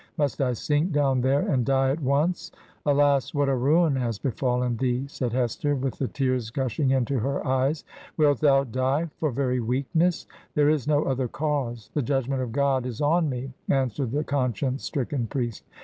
Must I sink down there, and die at once?' ' Alas, what a ruin has befallen thee I' said Hester, with the tears gushing into her eyes. 'Wilt thou die for very weakness? There is no other cause.' 'The judgment of God is on me,' answered the conscience stricken priest.